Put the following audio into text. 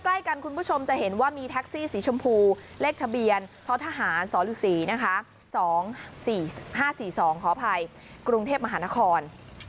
ใกล้กันคุณผู้ชมจะเห็นว่ามีแท็กซี่สีชมพูเลขทะเบียนท้อทหารสฤษีนะคะ๒๔๕๔๒ขออภัยกรุงเทพมหานคร